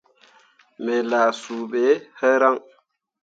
Me lah suu ɓe hǝraŋ.